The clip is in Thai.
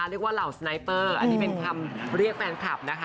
เหล่าสไนเปอร์อันนี้เป็นคำเรียกแฟนคลับนะคะ